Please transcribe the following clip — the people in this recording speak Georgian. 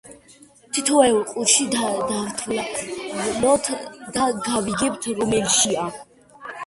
თითოეულ ყუთში დავთვალოთ და გავიგებთ რომელშია.